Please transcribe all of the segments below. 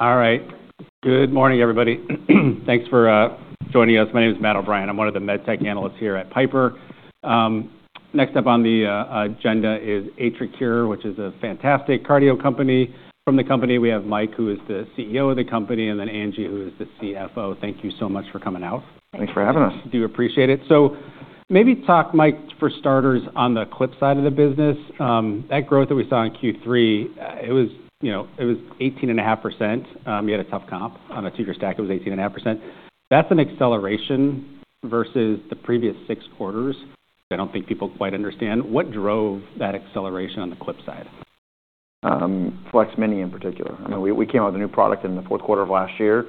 All right. Good morning, everybody. Thanks for joining us. My name is Matt O'Brien. I'm one of the med tech analysts here at Piper. Next up on the agenda is AtriCure, which is a fantastic cardio company. From the company, we have Mike, who is the CEO of the company, and then Angie, who is the CFO. Thank you so much for coming out. Thanks for having us. We do appreciate it. Maybe talk, Mike, for starters, on the clip side of the business. That growth that we saw in Q3, it was, you know, it was 18.5%. You had a tough comp on a two-year stack. It was 18.5%. That is an acceleration versus the previous six quarters, which I do not think people quite understand. What drove that acceleration on the clip side? Flex Mini in particular. I mean, we came out with a new product in the fourth quarter of last year.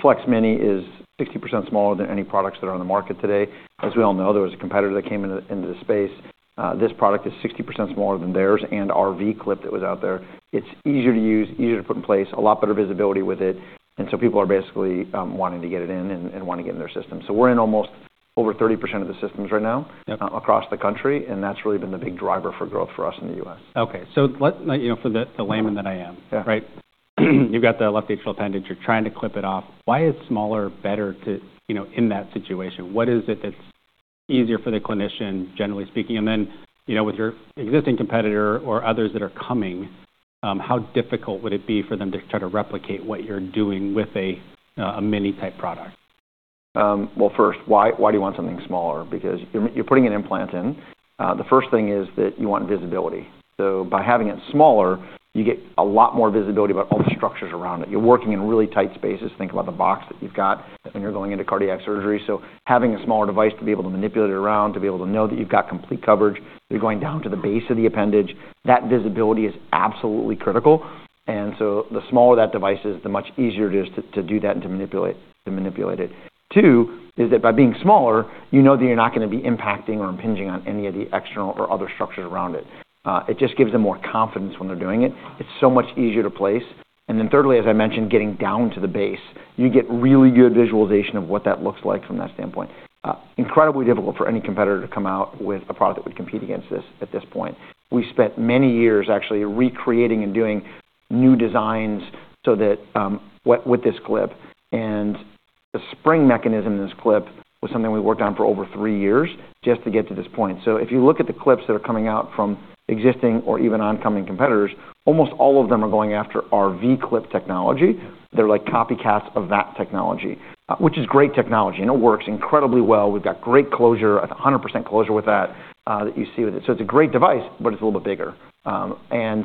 Flex Mini is 60% smaller than any products that are on the market today. As we all know, there was a competitor that came into the space. This product is 60% smaller than theirs and our V clip that was out there. It's easier to use, easier to put in place, a lot better visibility with it. People are basically wanting to get it in and wanting to get it in their system. We are in almost over 30% of the systems right now. Yep. across the country. That has really been the big driver for growth for us in the U.S. Okay. Let, like, you know, for the, the layman that I am. Yeah. Right? You've got the left atrial appendage. You're trying to clip it off. Why is smaller better to, you know, in that situation? What is it that's easier for the clinician, generally speaking? You know, with your existing competitor or others that are coming, how difficult would it be for them to try to replicate what you're doing with a, a mini-type product? First, why do you want something smaller? Because you're putting an implant in. The first thing is that you want visibility. By having it smaller, you get a lot more visibility about all the structures around it. You're working in really tight spaces. Think about the box that you've got when you're going into cardiac surgery. Having a smaller device to be able to manipulate it around, to be able to know that you've got complete coverage, you're going down to the base of the appendage, that visibility is absolutely critical. The smaller that device is, the much easier it is to do that and to manipulate it. Two is that by being smaller, you know that you're not gonna be impacting or impinging on any of the external or other structures around it. It just gives them more confidence when they're doing it. It's so much easier to place. Thirdly, as I mentioned, getting down to the base, you get really good visualization of what that looks like from that standpoint. Incredibly difficult for any competitor to come out with a product that would compete against this at this point. We spent many years actually recreating and doing new designs so that, with this clip and the spring mechanism in this clip, was something we worked on for over three years just to get to this point. If you look at the clips that are coming out from existing or even oncoming competitors, almost all of them are going after our V clip technology. They're like copycats of that technology, which is great technology, and it works incredibly well. We've got great closure, a 100% closure with that, that you see with it. It is a great device, but it's a little bit bigger, and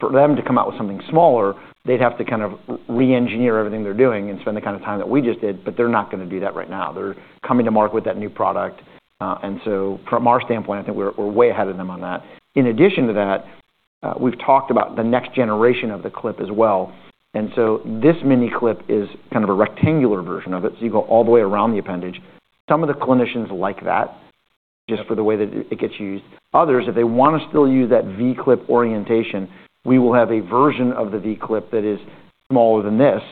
for them to come out with something smaller, they'd have to kind of re-engineer everything they're doing and spend the kind of time that we just did, but they're not gonna do that right now. They're coming to market with that new product, and from our standpoint, I think we're way ahead of them on that. In addition to that, we've talked about the next generation of the clip as well. This mini clip is kind of a rectangular version of it, so you go all the way around the appendage. Some of the clinicians like that just for the way that it gets used. Others, if they wanna still use that V clip orientation, we will have a version of the V clip that is smaller than this.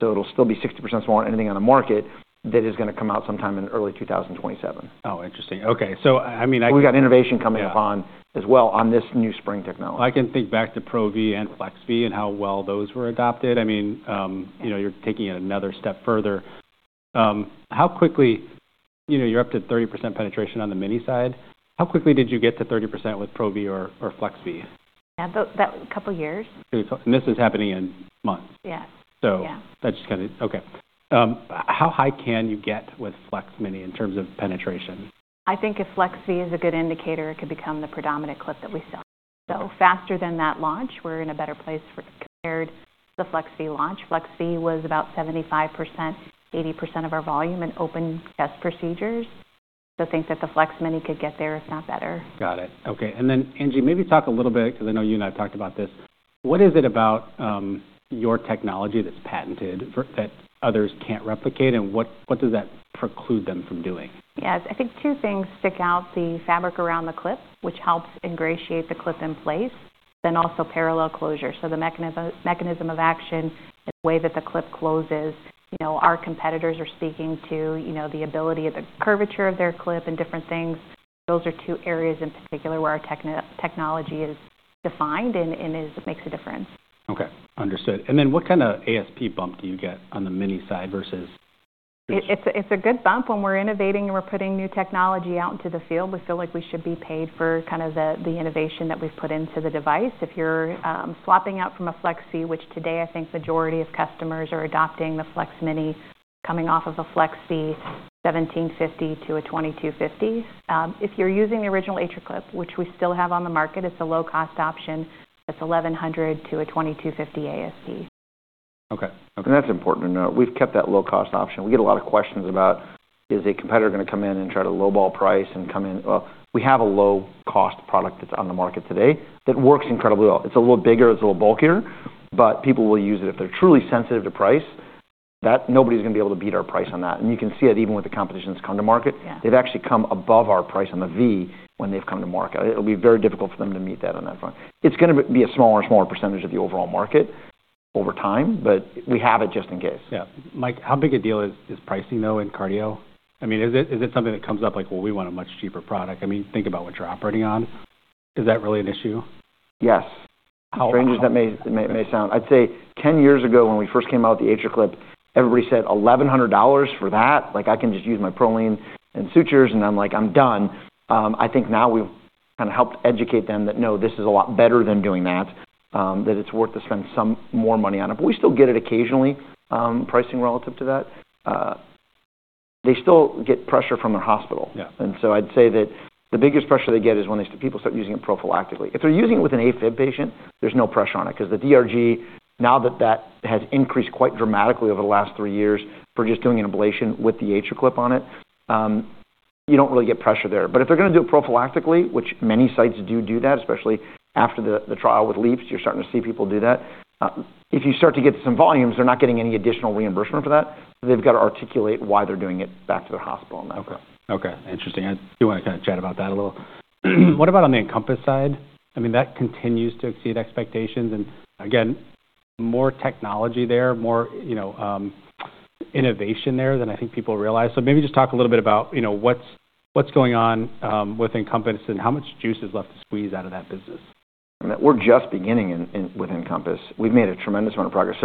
It will still be 60% smaller than anything on the market that is gonna come out sometime in early 2027. Oh, interesting. Okay. I mean, I. We've got innovation coming up. Yeah. As well on this new spring technology. I can think back to Pro-V and Flex-V and how well those were adopted. I mean, you know, you're taking it another step further. I mean, you know, you're up to 30% penetration on the mini side. How quickly did you get to 30% with Pro-V or, or Flex-V? Yeah, about that couple of years. This is happening in months. Yeah. So. Yeah. That's just kind of okay. How high can you get with Flex Mini in terms of penetration? I think if Flex-V is a good indicator, it could become the predominant clip that we sell. Faster than that launch, we're in a better place for compared to the Flex-V launch. Flex-V was about 75%-80% of our volume in open test procedures. I think that the Flex-Mini could get there, if not better. Got it. Okay. Angie, maybe talk a little bit 'cause I know you and I've talked about this. What is it about your technology that's patented that others can't replicate? What does that preclude them from doing? Yeah. I think two things stick out. The fabric around the clip, which helps ingratiate the clip in place, then also parallel closure. The mechanism, mechanism of action and the way that the clip closes, you know, our competitors are speaking to, you know, the ability of the curvature of their clip and different things. Those are two areas in particular where our technology is defined and is makes a difference. Okay. Understood. What kind of ASP bump do you get on the mini side versus? It, it's a, it's a good bump. When we're innovating and we're putting new technology out into the field, we feel like we should be paid for kind of the, the innovation that we've put into the device. If you're swapping out from a Flex-V, which today I think the majority of customers are adopting, the Flex-Mini coming off of a Flex-V $1,750 to a $2,250. If you're using the original AtriClip, which we still have on the market, it's a low-cost option that's $1,100 to a $2,250 ASP. Okay. Okay. That's important to know. We've kept that low-cost option. We get a lot of questions about, is a competitor gonna come in and try to low-ball price and come in? We have a low-cost product that's on the market today that works incredibly well. It's a little bigger. It's a little bulkier, but people will use it. If they're truly sensitive to price, nobody's gonna be able to beat our price on that. You can see that even with the competition that's come to market. Yeah. They've actually come above our price on the V when they've come to market. It'll be very difficult for them to meet that on that front. It's gonna be a smaller and smaller percentage of the overall market over time, but we have it just in case. Yeah. Mike, how big a deal is, is pricing though in cardio? I mean, is it, is it something that comes up like, well, we want a much cheaper product? I mean, think about what you're operating on. Is that really an issue? Yes. How? Strange as that may sound, I'd say 10 years ago when we first came out with the AtriClip, everybody said, "$1,100 for that? Like, I can just use my Prolene and sutures, and I'm like, I'm done." I think now we've kind of helped educate them that, no, this is a lot better than doing that, that it's worth to spend some more money on it. But we still get it occasionally, pricing relative to that. They still get pressure from their hospital. Yeah. I'd say that the biggest pressure they get is when people start using it prophylactically. If they're using it with an AFib patient, there's no pressure on it 'cause the DRG, now that that has increased quite dramatically over the last three years for just doing an ablation with the AtriClip on it, you don't really get pressure there. If they're gonna do it prophylactically, which many sites do do that, especially after the trial with LEAPS, you're starting to see people do that. If you start to get some volumes, they're not getting any additional reimbursement for that. They've gotta articulate why they're doing it back to their hospital on that. Okay. Okay. Interesting. I do wanna kinda chat about that a little. What about on the Encompass side? I mean, that continues to exceed expectations. Again, more technology there, more, you know, innovation there than I think people realize. Maybe just talk a little bit about, you know, what's, what's going on, with Encompass and how much juice is left to squeeze out of that business. We're just beginning with Encompass. We've made a tremendous amount of progress.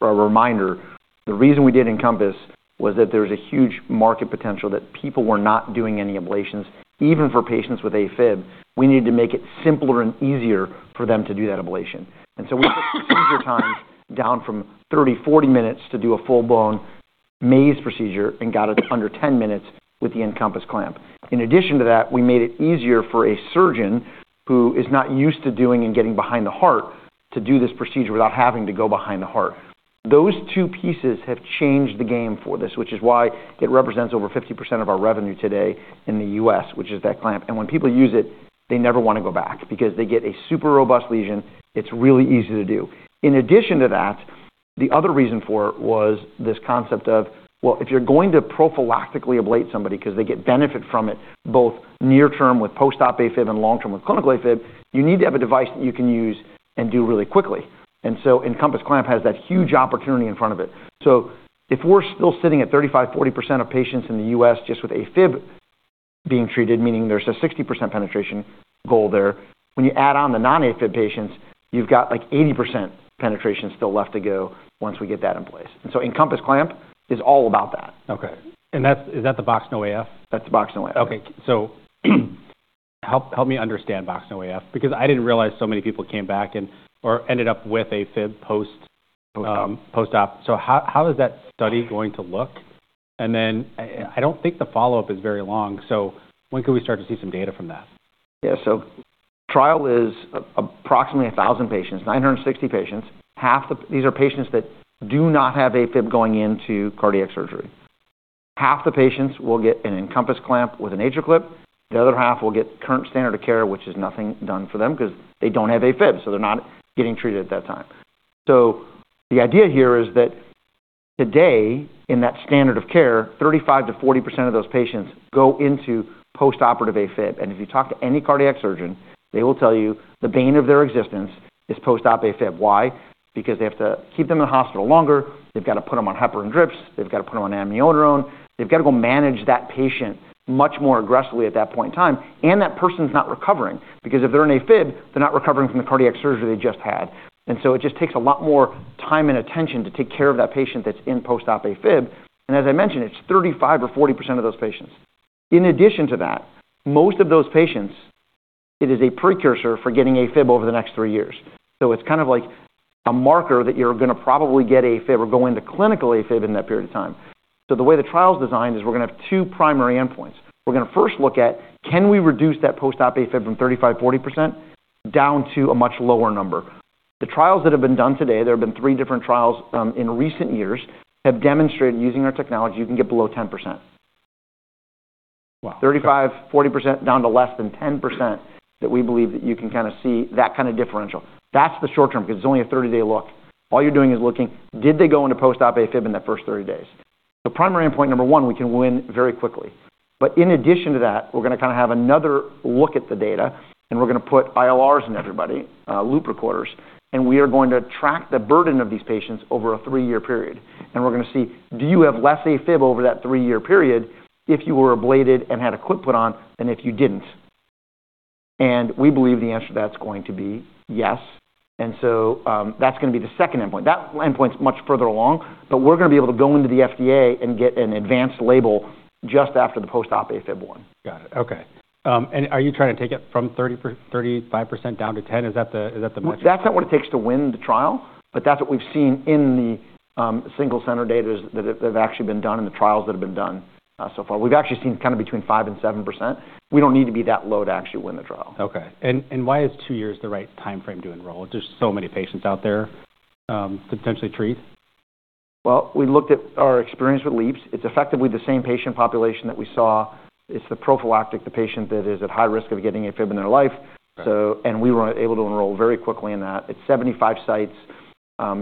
A reminder, the reason we did Encompass was that there was a huge market potential that people were not doing any ablations, even for patients with AFib. We needed to make it simpler and easier for them to do that ablation. We took procedure times down from 30-40 minutes to do a full-blown maze procedure and got it under 10 minutes with the Encompass clamp. In addition to that, we made it easier for a surgeon who is not used to doing and getting behind the heart to do this procedure without having to go behind the heart. Those two pieces have changed the game for this, which is why it represents over 50% of our revenue today in the U.S., which is that clamp. When people use it, they never wanna go back because they get a super robust lesion. It's really easy to do. In addition to that, the other reason for it was this concept of, well, if you're going to prophylactically ablate somebody 'cause they get benefit from it both near-term with post-op AFib and long-term with clinical AFib, you need to have a device that you can use and do really quickly. Encompass clamp has that huge opportunity in front of it. If we're still sitting at 35%-40% of patients in the U.S. just with AFib being treated, meaning there's a 60% penetration goal there, when you add on the non-AFib patients, you've got like 80% penetration still left to go once we get that in place. Encompass clamp is all about that. Okay. Is that the Box No AF? That's the Box No AF. Okay. Help me understand Box No AF because I didn't realize so many people came back and or ended up with AFib post. Post-op. Post-op. How is that study going to look? I don't think the follow-up is very long. When can we start to see some data from that? Yeah. Trial is approximately 1,000 patients, 960 patients. Half these are patients that do not have AFib going into cardiac surgery. Half the patients will get an Encompass clamp with an AtriClip. The other half will get current standard of care, which is nothing done for them 'cause they don't have AFib, so they're not getting treated at that time. The idea here is that today, in that standard of care, 35-40% of those patients go into post-operative AFib. If you talk to any cardiac surgeon, they will tell you the bane of their existence is post-op AFib. Why? Because they have to keep them in the hospital longer. They've gotta put them on heparin drips. They've gotta put them on amiodarone. They've gotta go manage that patient much more aggressively at that point in time. That person's not recovering because if they're in AFib, they're not recovering from the cardiac surgery they just had. It just takes a lot more time and attention to take care of that patient that's in post-op AFib. As I mentioned, it's 35% or 40% of those patients. In addition to that, most of those patients, it is a precursor for getting AFib over the next three years. It's kind of like a marker that you're gonna probably get AFib or go into clinical AFib in that period of time. The way the trial's designed is we're gonna have two primary endpoints. We're gonna first look at, can we reduce that post-op AFib from 35%-40% down to a much lower number? The trials that have been done today, there have been three different trials, in recent years have demonstrated using our technology, you can get below 10%. Wow. 35-40% down to less than 10% that we believe that you can kinda see that kind of differential. That's the short-term 'cause it's only a 30-day look. All you're doing is looking, did they go into post-op AFib in that first 30 days? The primary endpoint, number one, we can win very quickly. In addition to that, we're gonna kinda have another look at the data, and we're gonna put ILRs in everybody, loop recorders, and we are going to track the burden of these patients over a three-year period. We're gonna see, do you have less AFib over that three-year period if you were ablated and had a clip put on than if you didn't? We believe the answer to that's going to be yes. That's gonna be the second endpoint. That endpoint's much further along, but we're gonna be able to go into the FDA and get an advanced label just after the post-op AFib one. Got it. Okay. And are you trying to take it from 30%-35% down to 10%? Is that the is that the metric? That's not what it takes to win the trial, but that's what we've seen in the single-center data that have actually been done in the trials that have been done so far. We've actually seen kind of between 5% and 7%. We don't need to be that low to actually win the trial. Okay. And why is two years the right timeframe to enroll? There's so many patients out there, to potentially treat. We looked at our experience with LEAPS. It's effectively the same patient population that we saw. It's the prophylactic, the patient that is at high risk of getting AFib in their life. Right. We were able to enroll very quickly in that. It's 75 sites.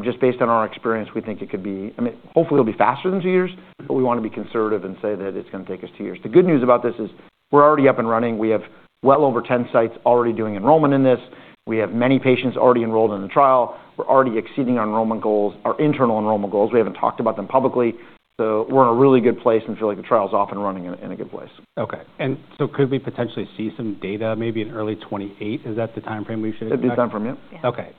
Just based on our experience, we think it could be, I mean, hopefully it'll be faster than two years, but we want to be conservative and say that it's going to take us two years. The good news about this is we're already up and running. We have well over 10 sites already doing enrollment in this. We have many patients already enrolled in the trial. We're already exceeding our enrollment goals, our internal enrollment goals. We haven't talked about them publicly. We're in a really good place and feel like the trial's off and running in a good place. Okay. Could we potentially see some data maybe in early 2028? Is that the timeframe we should expect? That'd be the timeframe, yeah. Yeah. Okay.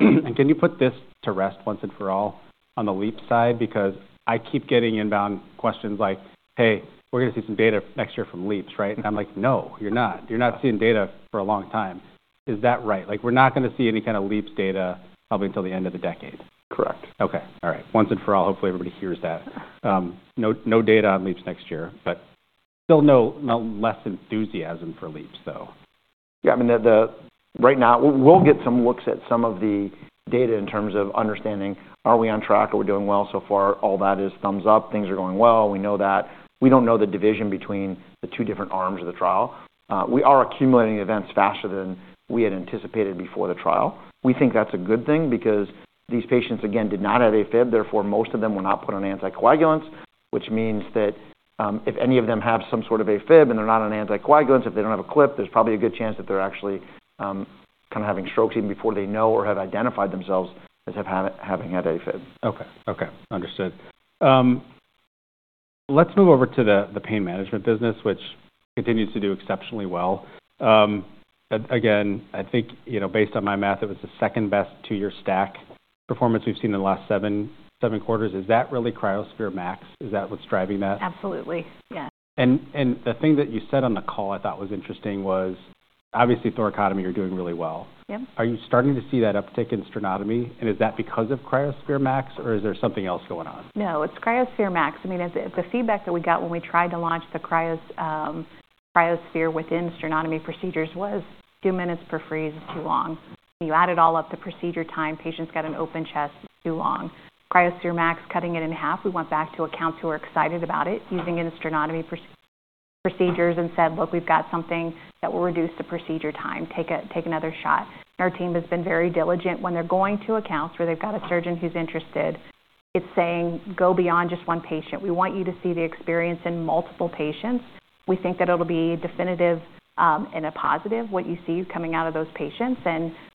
Can you put this to rest once and for all on the LEAPS side? Because I keep getting inbound questions like, "Hey, we're gonna see some data next year from LEAPS, right?" And I'm like, "No, you're not. You're not seeing data for a long time." Is that right? Like, we're not gonna see any kind of LEAPS data probably until the end of the decade. Correct. Okay. All right. Once and for all, hopefully everybody hears that. No, no data on LEAPS next year, but still no, no less enthusiasm for LEAPS though. Yeah. I mean, right now, we'll get some looks at some of the data in terms of understanding, are we on track? Are we doing well so far? All that is thumbs up. Things are going well. We know that. We don't know the division between the two different arms of the trial. We are accumulating events faster than we had anticipated before the trial. We think that's a good thing because these patients, again, did not have AFib. Therefore, most of them were not put on anticoagulants, which means that, if any of them have some sort of AFib and they're not on anticoagulants, if they don't have a clip, there's probably a good chance that they're actually, kinda having strokes even before they know or have identified themselves as having had AFib. Okay. Okay. Understood. Let's move over to the pain management business, which continues to do exceptionally well. Again, I think, you know, based on my math, it was the second-best two-year stack performance we've seen in the last seven quarters. Is that really cryoSPHERE MAX? Is that what's driving that? Absolutely. Yeah. The thing that you said on the call I thought was interesting was, obviously, thoracotomy you're doing really well. Yep. Are you starting to see that uptick in sternotomy? Is that because of cryoSPHERE MAX or is there something else going on? No, it's cryoSPHERE MAX. I mean, the feedback that we got when we tried to launch the cryoSPHERE within sternotomy procedures was two minutes per freeze is too long. You add it all up to procedure time. Patients got an open chest too long. cryoSPHERE MAX cutting it in half. We went back to accounts who were excited about it using it in sternotomy procedures and said, "Look, we've got something that will reduce the procedure time. Take another shot." Our team has been very diligent. When they're going to accounts where they've got a surgeon who's interested, it's saying, "Go beyond just one patient. We want you to see the experience in multiple patients. We think that it'll be definitive, and a positive what you see coming out of those patients."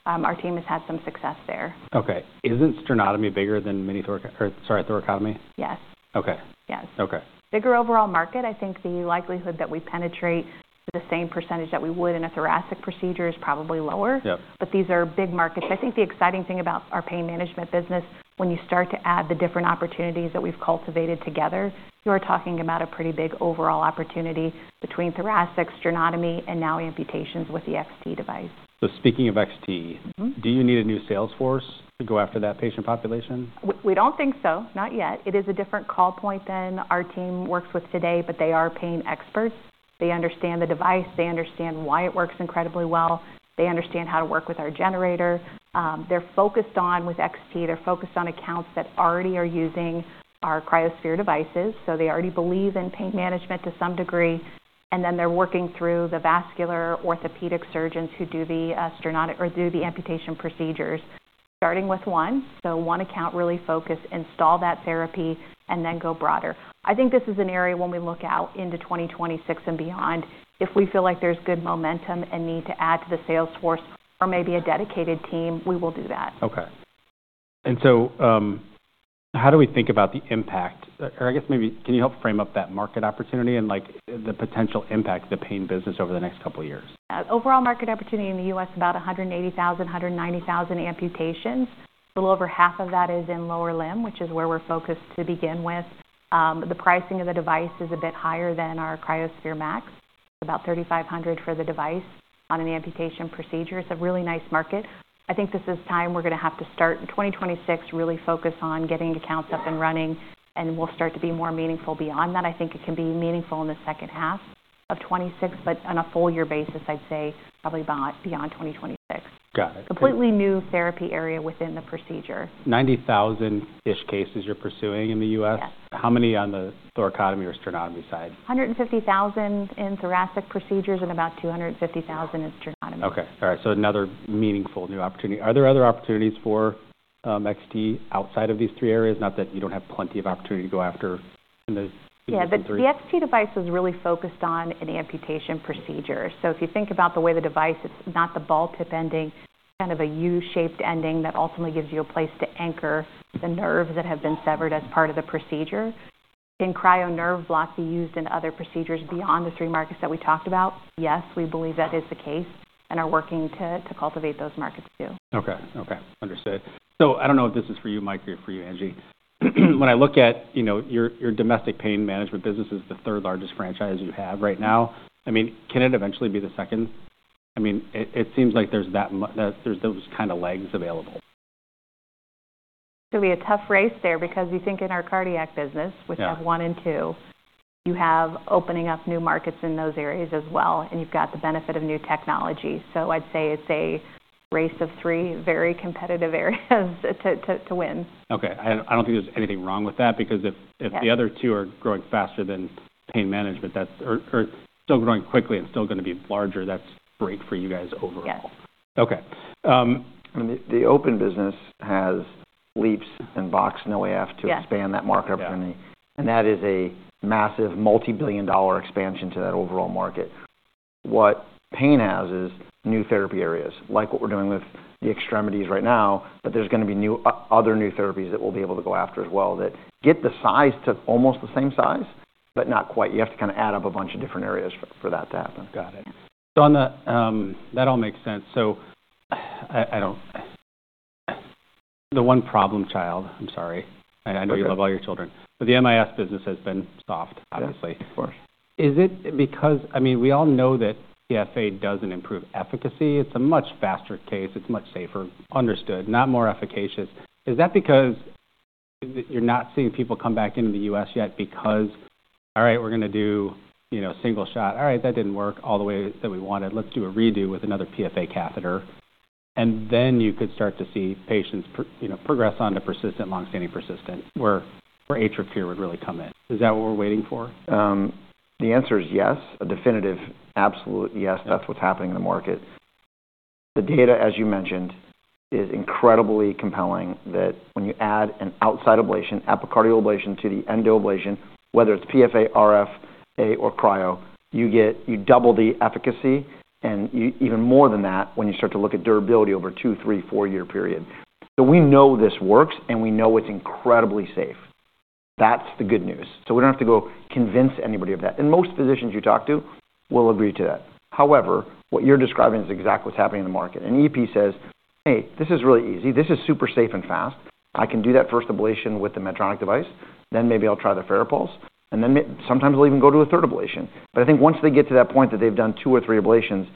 Our team has had some success there. Okay. Isn't sternotomy bigger than mini thorac or sorry, thoracotomy? Yes. Okay. Yes. Okay. Bigger overall market. I think the likelihood that we penetrate the same percentage that we would in a thoracic procedure is probably lower. Yep. These are big markets. I think the exciting thing about our pain management business, when you start to add the different opportunities that we've cultivated together, you are talking about a pretty big overall opportunity between thoracic, sternotomy, and now amputations with the XT device. Speaking of XT. Mm-hmm. Do you need a new sales force to go after that patient population? We don't think so. Not yet. It is a different call point than our team works with today, but they are pain experts. They understand the device. They understand why it works incredibly well. They understand how to work with our generator. They're focused on with XT, they're focused on accounts that already are using our cryoSPHERE devices. They already believe in pain management to some degree. They are working through the vascular orthopedic surgeons who do the sternotomy or do the amputation procedures, starting with one. One account really focused, install that therapy, and then go broader. I think this is an area when we look out into 2026 and beyond, if we feel like there's good momentum and need to add to the sales force or maybe a dedicated team, we will do that. Okay. How do we think about the impact? Or I guess maybe can you help frame up that market opportunity and, like, the potential impact of the pain business over the next couple of years? Overall market opportunity in the U.S., about 180,000-190,000 amputations. A little over half of that is in lower limb, which is where we're focused to begin with. The pricing of the device is a bit higher than our cryoSPHERE MAX. It's about $3,500 for the device on an amputation procedure. It's a really nice market. I think this is time we're gonna have to start in 2026, really focus on getting accounts up and running, and we'll start to be more meaningful beyond that. I think it can be meaningful in the second half of 2026, but on a full-year basis, I'd say probably beyond 2026. Got it. Completely new therapy area within the procedure. 90,000-ish cases you're pursuing in the U.S.? Yes. How many on the thoracotomy or sternotomy side? 150,000 in thoracic procedures and about 250,000 in sternotomy. Okay. All right. Another meaningful new opportunity. Are there other opportunities for XT outside of these three areas? Not that you do not have plenty of opportunity to go after in the. Yeah. The XT device was really focused on an amputation procedure. If you think about the way the device, it's not the ball-tip ending, kind of a U-shaped ending that ultimately gives you a place to anchor the nerves that have been severed as part of the procedure. Can cryo nerve block be used in other procedures beyond the three markets that we talked about? Yes, we believe that is the case and are working to cultivate those markets too. Okay. Okay. Understood. I don't know if this is for you, Mike, or for you, Angie. When I look at, you know, your, your domestic pain management business is the third-largest franchise you have right now. I mean, can it eventually be the second? I mean, it seems like there's that, that there's those kind of legs available. It'll be a tough race there because we think in our cardiac business, which have one and two, you have opening up new markets in those areas as well, and you've got the benefit of new technology. I'd say it's a race of three very competitive areas to win. Okay. I don't think there's anything wrong with that because if the other two are growing faster than pain management, or are still growing quickly and still gonna be larger, that's great for you guys overall. Yes. Okay. I mean, the open business has LEAPS and Box No AF to expand that market opportunity. Yeah. That is a massive multi-billion dollar expansion to that overall market. What pain has is new therapy areas like what we're doing with the extremities right now, but there's gonna be other new therapies that we'll be able to go after as well that get the size to almost the same size, but not quite. You have to kinda add up a bunch of different areas for that to happen. Got it. That all makes sense. I do not, the one problem child, I am sorry. I know you love all your children. The MIS business has been soft, obviously. Yeah. Of course. Is it because I mean, we all know that PFA doesn't improve efficacy. It's a much faster case. It's much safer. Understood. Not more efficacious. Is that because you're not seeing people come back into the U.S. yet because, all right, we're gonna do, you know, single shot. All right, that didn't work all the way that we wanted. Let's do a redo with another PFA catheter. And then you could start to see patients per, you know, progress on to persistent, long-standing persistent where AtriCure would really come in. Is that what we're waiting for? The answer is yes. A definitive absolute yes. That's what's happening in the market. The data, as you mentioned, is incredibly compelling that when you add an outside ablation, epicardial ablation to the endoablation, whether it's PFA, RFA, or cryo, you double the efficacy. And you even more than that when you start to look at durability over two, three, four-year period. We know this works, and we know it's incredibly safe. That's the good news. We don't have to go convince anybody of that. Most physicians you talk to will agree to that. However, what you're describing is exactly what's happening in the market. An EP says, "Hey, this is really easy. This is super safe and fast. I can do that first ablation with the Medtronic device. Then maybe I'll try the Farapulse. Sometimes I'll even go to a third ablation. I think once they get to that point that they've done two or three ablations,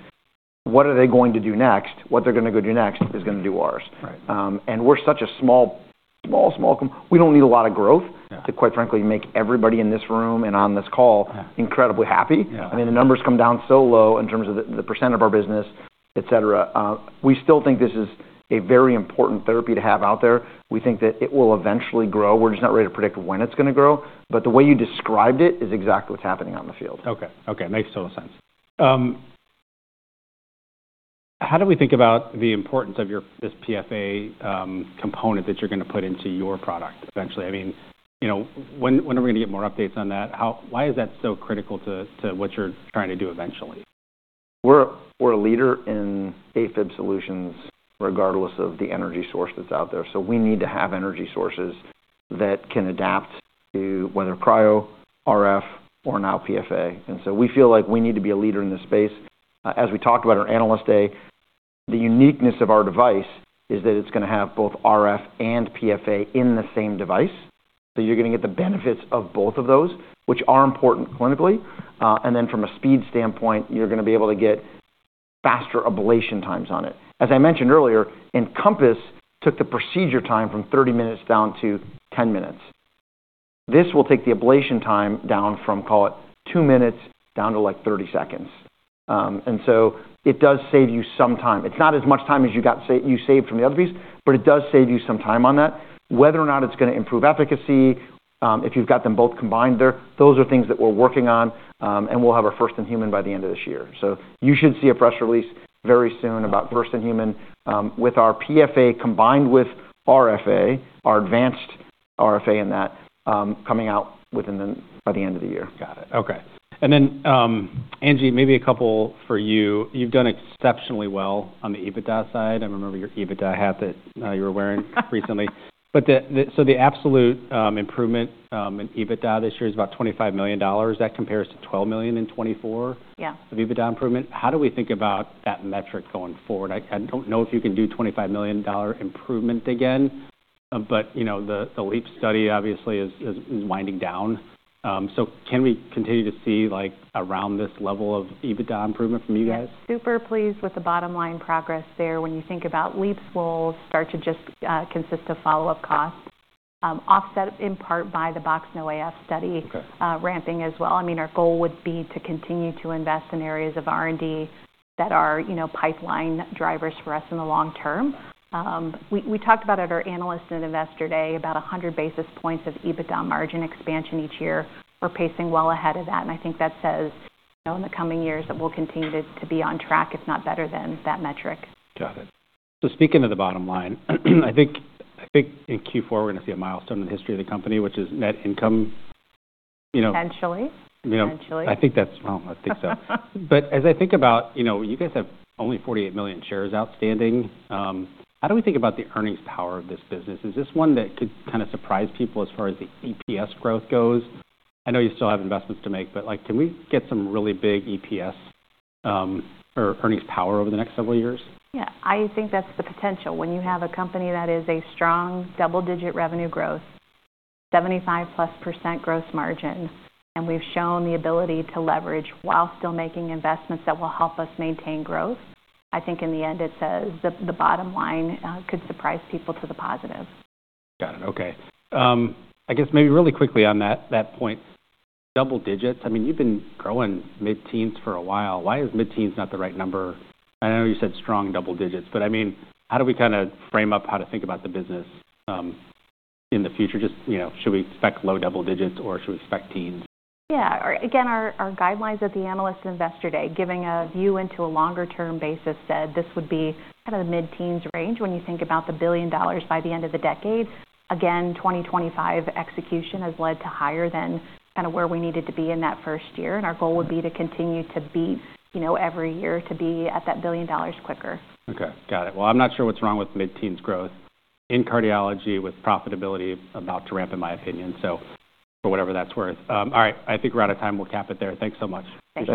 what are they going to do next? What they're gonna go do next is gonna do ours. Right. we're such a small, small, small com we don't need a lot of growth. Yeah. To, quite frankly, make everybody in this room and on this call. Yeah. Incredibly happy. Yeah. I mean, the numbers come down so low in terms of the percent of our business, etc. We still think this is a very important therapy to have out there. We think that it will eventually grow. We're just not ready to predict when it's gonna grow. The way you described it is exactly what's happening on the field. Okay. Okay. Makes total sense. How do we think about the importance of your this PFA component that you're gonna put into your product eventually? I mean, you know, when are we gonna get more updates on that? How, why is that so critical to what you're trying to do eventually? We're a leader in AFib solutions regardless of the energy source that's out there. We need to have energy sources that can adapt to whether cryo, RF, or now PFA. We feel like we need to be a leader in this space. As we talked about at our analyst day, the uniqueness of our device is that it's gonna have both RF and PFA in the same device. You're gonna get the benefits of both of those, which are important clinically. From a speed standpoint, you're gonna be able to get faster ablation times on it. As I mentioned earlier, Encompass took the procedure time from 30 minutes down to 10 minutes. This will take the ablation time down from, call it, two minutes down to like 30 seconds. It does save you some time. It's not as much time as you got, say, you saved from the other piece, but it does save you some time on that. Whether or not it's gonna improve efficacy, if you've got them both combined there, those are things that we're working on. We'll have our first in human by the end of this year. You should see a press release very soon about first in human, with our PFA combined with RFA, our advanced RFA in that, coming out by the end of the year. Got it. Okay. Angie, maybe a couple for you. You've done exceptionally well on the EBITDA side. I remember your EBITDA hat that you were wearing recently. The absolute improvement in EBITDA this year is about $25 million. That compares to $12 million in 2024. Yeah. Of EBITDA improvement. How do we think about that metric going forward? I don't know if you can do $25 million improvement again, but, you know, the LEAPS study obviously is winding down. Can we continue to see, like, around this level of EBITDA improvement from you guys? We're super pleased with the bottom-line progress there. When you think about LEAPS, we'll start to just consist of follow-up costs, offset in part by the Box No AF study. Okay. Ramping as well. I mean, our goal would be to continue to invest in areas of R&D that are, you know, pipeline drivers for us in the long term. We talked about at our analyst and investor day about 100 basis points of EBITDA margin expansion each year. We're pacing well ahead of that. I think that says, you know, in the coming years that we'll continue to be on track, if not better than that metric. Got it. Speaking of the bottom line, I think in Q4 we're gonna see a milestone in the history of the company, which is net income, you know. Potentially. You know. Potentially. I think that's, I think so. As I think about, you know, you guys have only 48 million shares outstanding. How do we think about the earnings power of this business? Is this one that could kind of surprise people as far as the EPS growth goes? I know you still have investments to make, but, like, can we get some really big EPS, or earnings power over the next several years? Yeah. I think that's the potential. When you have a company that is a strong double-digit revenue growth, 75+% gross margin, and we've shown the ability to leverage while still making investments that will help us maintain growth, I think in the end it says the bottom line could surprise people to the positive. Got it. Okay. I guess maybe really quickly on that, that point, double digits, I mean, you've been growing mid-teens for a while. Why is mid-teens not the right number? I know you said strong double digits, but I mean, how do we kinda frame up how to think about the business, in the future? Just, you know, should we expect low double digits or should we expect teens? Yeah. Again, our guidelines at the analyst investor day giving a view into a longer-term basis said this would be kinda the mid-teens range when you think about the billion dollars by the end of the decade. Again, 2025 execution has led to higher than kinda where we needed to be in that first year. Our goal would be to continue to beat, you know, every year to be at that billion dollars quicker. Okay. Got it. I'm not sure what's wrong with mid-teens growth in cardiology with profitability about to ramp in my opinion. So for whatever that's worth. All right. I think we're out of time. We'll cap it there. Thanks so much. Thanks.